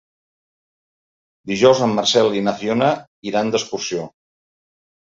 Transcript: Dijous en Marcel i na Fiona iran d'excursió.